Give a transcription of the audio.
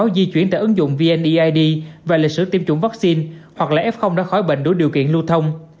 dụng vneid và lịch sử tiêm chủng vaccine hoặc là f đã khỏi bệnh đối điều kiện lưu thông